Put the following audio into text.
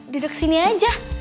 duduk sini aja